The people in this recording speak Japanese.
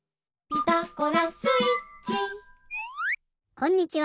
こんにちは。